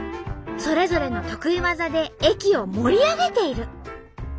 それぞれの得意技で駅を盛り上げている。